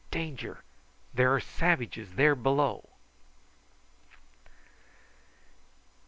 "Danger! There are savages there below."